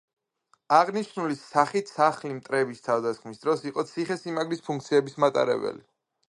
აღნიშნული სახით სახლი მტრების თავდასხმის დროს იყო ციხესიმაგრის ფუნქციების მატარებელი.